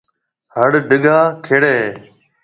هڙ ڊگا کيڙيَ هيَ۔